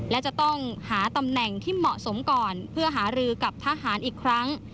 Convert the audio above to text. และจะต้องหาตำแหน่งที่เหมาะสมก่อนเพื่อหารือกับทหารอีกครั้ง